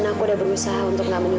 non gue boleh putus asa dulu non